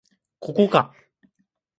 ここか